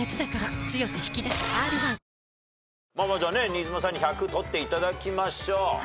新妻さんに１００取っていただきましょう。